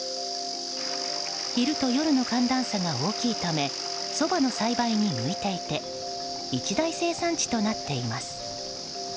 昼と夜の寒暖差が大きいためそばに栽培に向いていて一大生産地となっています。